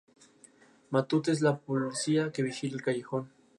El número de divisiones, grupos y equipos participantes varía en cada comunidad autónoma.